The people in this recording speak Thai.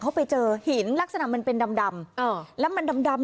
เขาไปเจอหินลักษณะมันเป็นดำแล้วมันดำ